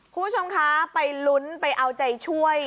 คุณผู้ชมคะไปลุ้นไปเอาใจช่วย